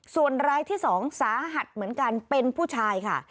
ส่วนรายที่๒สาหัสเหมือนกันเป็นผู้ชายค่ะ